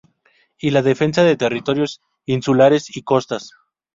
Y la defensa de territorios insulares y costas.